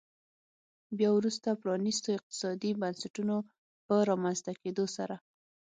بیا وروسته پرانیستو اقتصادي بنسټونو په رامنځته کېدو سره.